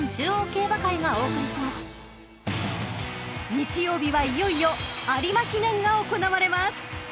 ［日曜日はいよいよ有馬記念が行われます］